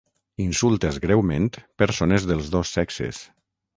Insultes greument persones dels dos sexes.